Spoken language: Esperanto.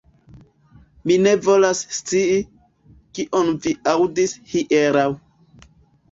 Mi ne volas scii, kion vi aŭdis hieraŭ.